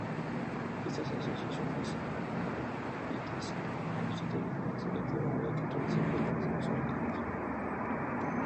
Estas asociaciones halófitas constituyen una excelente barrera contra los efectos de los huracanes.